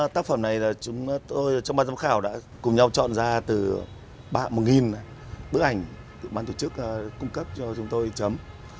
một mươi năm tác phẩm này là chúng tôi trong ban giám khảo đã cùng nhau chọn ra từ ba mươi bức ảnh được ban tổ chức cung cấp cho chúng tôi chấm